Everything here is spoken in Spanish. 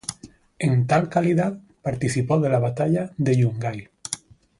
En tal calidad, participó de la Batalla de Yungay.